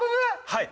はい。